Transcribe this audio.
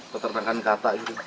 peternakan katak gitu